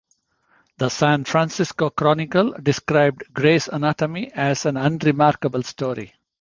The "San Francisco Chronicle" described "Gray's Anatomy" as an unremarkable story.